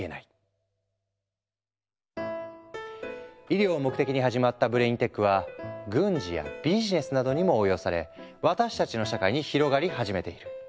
医療を目的に始まったブレインテックは軍事やビジネスなどにも応用され私たちの社会に広がり始めている。